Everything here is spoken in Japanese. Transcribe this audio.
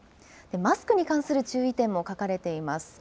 マスクに関する注意点も書かれています。